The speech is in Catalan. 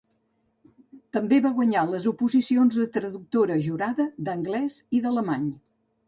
També va guanyar les oposicions de traductora jurada d'anglès i d'alemany.